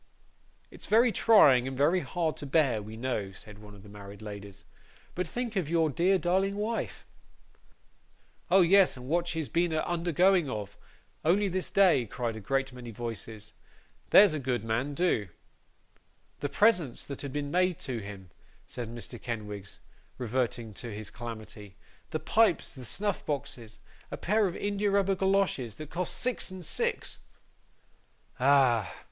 'It's very trying, and very hard to bear, we know,' said one of the married ladies; 'but think of your dear darling wife.' 'Oh yes, and what she's been a undergoing of, only this day,' cried a great many voices. 'There's a good man, do.' 'The presents that have been made to him,' said Mr. Kenwigs, reverting to his calamity, 'the pipes, the snuff boxes a pair of india rubber goloshes, that cost six and six ' 'Ah!